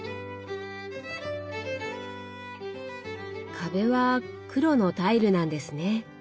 壁は黒のタイルなんですね。